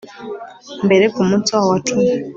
mbere ku munsi waho wa cumi